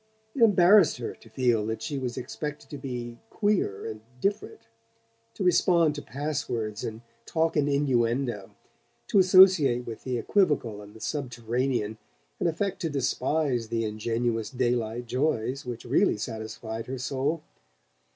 It embarrassed her to feel that she was expected to be "queer" and "different," to respond to pass words and talk in innuendo, to associate with the equivocal and the subterranean and affect to despise the ingenuous daylight joys which really satisfied her soul.